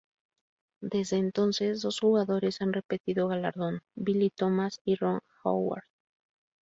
Desde entonces, dos jugadores han repetido galardón: Billy Thomas y Ron Howard.